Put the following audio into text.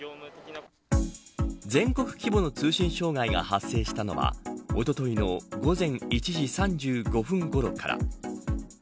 全国規模の通信障害が発生したのはおとといの午前１時３５分ごろから。